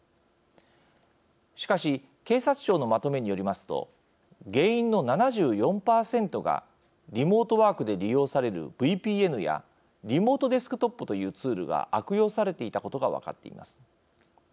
しかし警察庁のまとめによりますと原因の７４％がリモートワークで利用されるＶＰＮやリモートデスクトップというツールが悪用されていたことが分かっています。